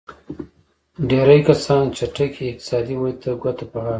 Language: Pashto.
ډېری کسان چټکې اقتصادي ودې ته ګوته په غاښ وو.